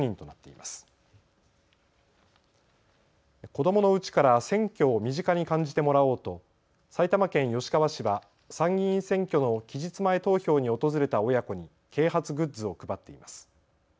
子どものうちから選挙を身近に感じてもらおうと埼玉県吉川市は参議院選挙の期日前投票に訪れた親子に啓発グッズを配っています。